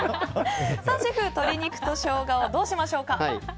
シェフ、鶏肉とショウガをどうしましょうか？